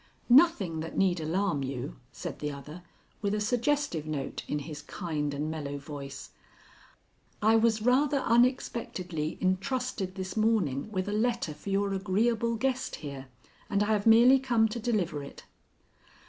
"Nothing that need alarm you," said the other with a suggestive note in his kind and mellow voice. "I was rather unexpectedly intrusted this morning with a letter for your agreeable guest here, and I have merely come to deliver it."